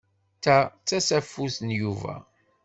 Ta d tasafut n Yuba.